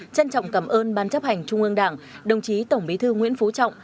trân trọng cảm ơn ban chấp hành trung ương đảng đồng chí tổng bí thư nguyễn phú trọng